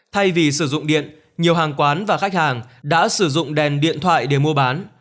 thay vì sử dụng điện nhiều hàng quán và khách hàng đã sử dụng đèn điện thoại để mua bán